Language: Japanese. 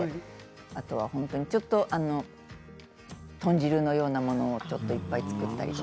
あとは本当に豚汁のようなものをちょっといっぱい作ったり。